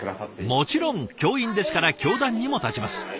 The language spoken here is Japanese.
もちろん教員ですから教壇にも立ちます。